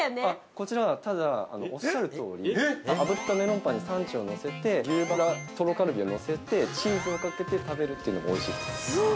◆こちら、ただ、おっしゃるとおり、あぶったメロンパンにサンチュを乗せて、牛バラとろカルビを乗せて、チーズをかけて食べるというのがおいしいです。